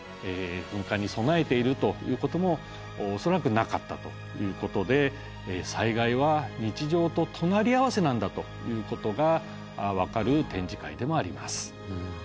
噴火に備えているということも恐らくなかったということで災害は日常と隣り合わせなんだということが分かる展示会でもあります。